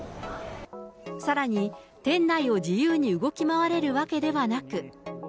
さらに店内を自由に動き回れるわけではなく。